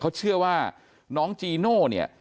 เขาเชื่อว่าน้องจีโน่เนี่ย